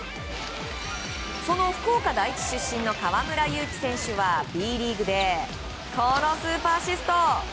その福岡第一出身の河村勇輝選手は、Ｂリーグでこのスーパーアシスト。